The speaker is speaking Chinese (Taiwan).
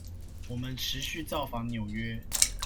我們持續造訪紐約